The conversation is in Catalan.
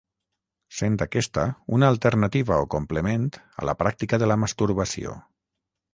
Sent aquesta una alternativa o complement a la pràctica de la masturbació.